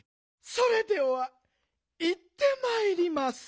それではいってまいります。